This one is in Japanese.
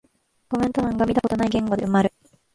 コメント欄が見たことない言語で埋まる